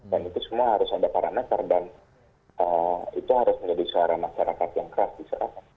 dan itu semua harus ada para masyarakat dan itu harus menjadi suara masyarakat yang keras